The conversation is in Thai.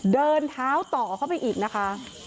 เดินเท้าต่อเข้าไปอีกนะคะ